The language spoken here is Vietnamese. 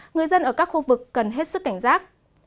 người dân ở các khu vực cần hết sức cảnh giác